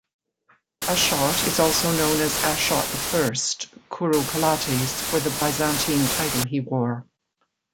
Ashot is also known as Ashot I Curopalates for the Byzantine title he wore.